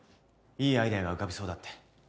いいアイデアが浮かびそうだって。